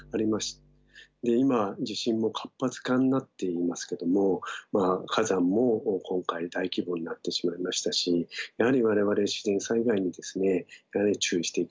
で今地震も活発化になっていますけども火山も今回大規模になってしまいましたしやはり我々自然災害にですね注意していかなきゃいけないと思います。